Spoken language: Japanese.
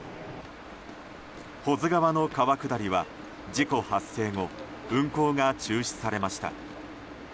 保津川の川下りは事故発生後運航が中止されました。